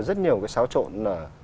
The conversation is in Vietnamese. rất nhiều cái xáo trộn